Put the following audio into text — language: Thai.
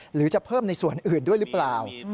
หรือจะเพิ่มในส่วนอื่นด้วยหรือเปล่า